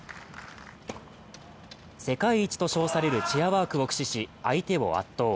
世界一と称されるチェアワークを駆使し、相手を圧倒。